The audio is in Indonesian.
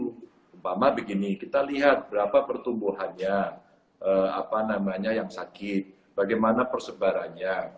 umpama begini kita lihat berapa pertumbuhannya apa namanya yang sakit bagaimana persebarannya